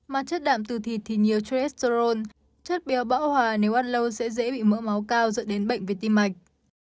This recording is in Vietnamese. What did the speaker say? mà chất đạm từ thịt thì nhiều triesterol chất bia bão hòa nếu ăn lâu sẽ dễ bị mỡ máu cao dẫn đến bệnh việt tim mạch